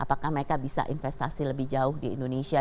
apakah mereka bisa investasi lebih jauh di indonesia